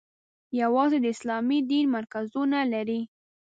یوازې د اسلامي دین مرکزونه لري.